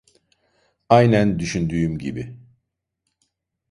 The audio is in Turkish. Aynen düşündüğüm gibi.